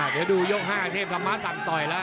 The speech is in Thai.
เดี๋ยวดูยก๕เทพธรรมะสั่งต่อยแล้ว